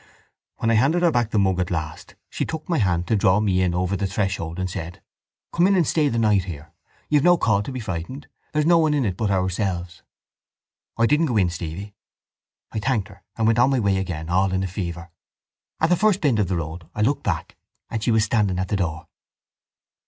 When I handed her back the mug at last she took my hand to draw me in over the threshold and said: 'Come in and stay the night here. You've no call to be frightened. There's no one in it but ourselves....' I didn't go in, Stevie. I thanked her and went on my way again, all in a fever. At the first bend of the road I looked back and she was standing at the door.